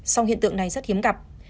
song hiện tượng này rất hiếm gặp